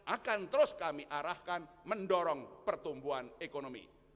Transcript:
akan terus kami arahkan mendorong pertumbuhan ekonomi